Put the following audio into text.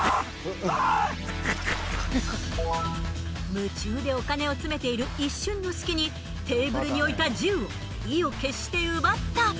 夢中でお金を詰めている一瞬の隙にテーブルに置いた銃を意を決して奪った！